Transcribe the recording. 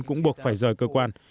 cũng buộc phải rời cơ quan